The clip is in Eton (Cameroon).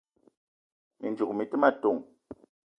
Mi ndzouk mi te ma ton: